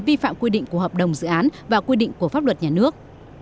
vi phạm quy định của hợp đồng dự án và quy định của pháp luật nhà nước